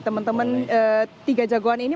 teman teman tiga jagoan ini